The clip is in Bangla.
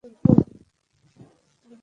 একাদশীর দিন এই উপবাস করার কথাটা।